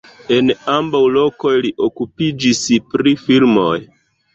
En ambaŭ lokoj li okupiĝis pri filmoj.